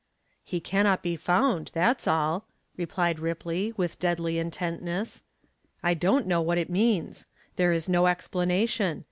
"He cannot be found, that's all," announced Ripley, with deadly intentness. "I don't know what it means. There is no explanation.